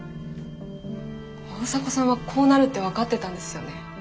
大迫さんはこうなるって分かってたんですよね。